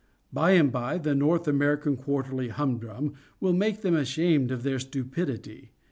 By and by the "North American Quarterly Humdrum" will make them ashamed of their stupidity.